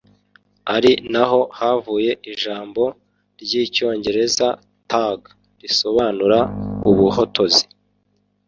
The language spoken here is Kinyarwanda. ari na ho havuye ijambo ry’icyongereza (thug) risobanura umuhotozi.